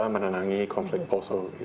menenangi konflik poso